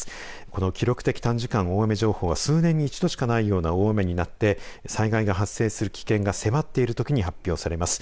この記録的短時間大雨情報は数年に一度しかないような大雨になって災害が発生する危険が迫っているときに発表されます。